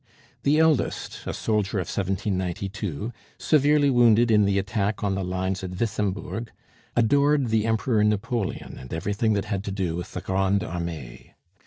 The eldest, a soldier of 1792, severely wounded in the attack on the lines at Wissembourg, adored the Emperor Napoleon and everything that had to do with the Grande Armee.